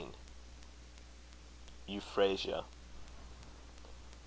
EUPHRASIA.